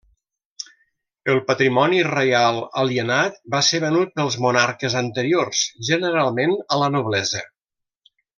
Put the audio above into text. El patrimoni reial alienat va ser venut pels monarques anteriors, generalment a la noblesa.